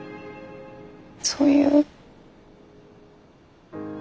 そういう。